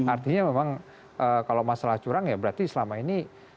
artinya memang kalau masalah curang ya berarti selama ini